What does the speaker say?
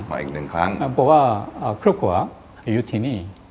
เพราะว่าครูกวะอยู่ที่นี้